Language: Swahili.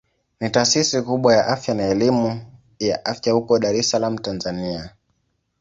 Ni taasisi kubwa ya afya na elimu ya afya huko Dar es Salaam Tanzania.